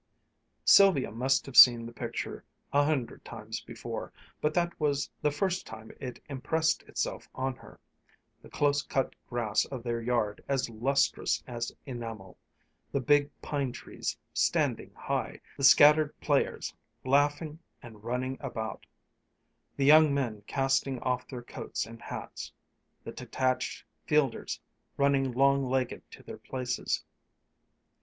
Sylvia must have seen the picture a hundred times before, but that was the first time it impressed itself on her, the close cut grass of their yard as lustrous as enamel, the big pine trees standing high, the scattered players, laughing and running about, the young men casting off their coats and hats, the detached fielders running long legged to their places.